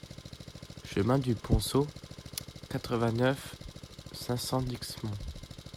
Chemin du Ponceau, quatre-vingt-neuf, cinq cents Dixmont